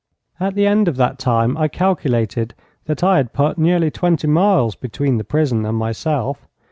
At the end of that time I calculated that I had put nearly twenty miles between the prison and myself.